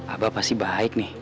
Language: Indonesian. abah pasti baik nih